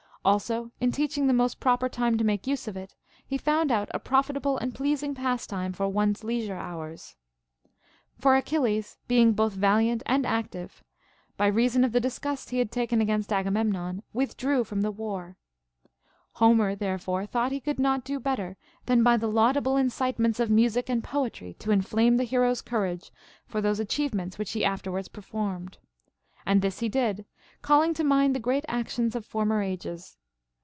Also, in teaching the most proper time to make use of it, he found out a profitable and pleasing pastime for one's leisure hours. For Achilles, being both valiant and active, by reason of the disgust he had taken against xlgamemnon withdrew from the Λvar. Homer therefore thought he could not do better than by the laudable incitements of music and poetry to inflame the hero's courage for those achieve ments which he afterwards performed. And this he did, calling to mind the great actions of former ages.